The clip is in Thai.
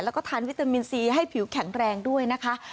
แล้วก็ทานวิตามินซีให้ผิวแข็งแรงด้วยนะคะ